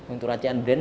untuk racian den